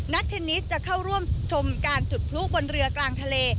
เทนนิสจะเข้าร่วมชมการจุดพลุบนเรือกลางทะเล